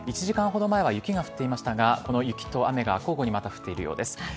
１時間ほど前は雪が降っていましたが雪と雨が交互に降っているようです。